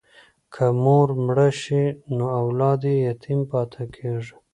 که مور مړه شي نو اولاد یې یتیم پاتې کېږي.